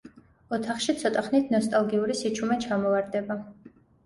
ოთახში ცოტა ხნით ნოსტალგიური სიჩუმე ჩამოვარდება.